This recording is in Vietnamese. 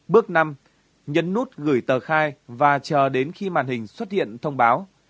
bước năm nhấn nút gửi tờ khai và chờ đến khi màn hình xuất hiện thông báo